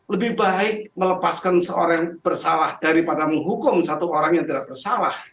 lebih baik melepaskan seorang yang bersalah daripada menghukum satu orang yang tidak bersalah